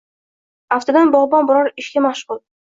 Aftidan bogʻbon biror ishga mashgʻu.